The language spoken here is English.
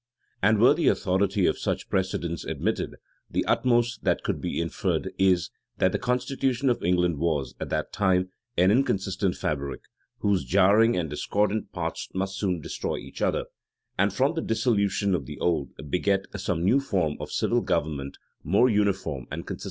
And were the authority of such precedents admitted, the utmost that could be inferred is, that the constitution of England was, at that time, an inconsistent fabric, whose jarring and discordant parts must soon destroy each other, and from the dissolution of the old, beget some new form of civil government, more uniform and consistent.